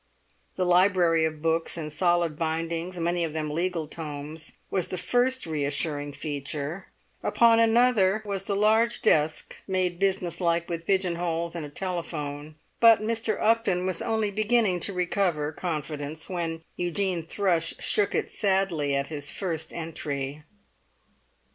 The library of books in solid bindings, many of them legal tomes, was the first reassuring feature; another was the large desk, made business like with pigeon holes and a telephone; but Mr. Upton was only beginning to recover confidence when Eugene Thrush shook it sadly at his first entry.